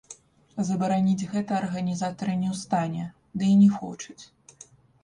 Забараніць гэта арганізатары не ў стане, ды й не хочуць.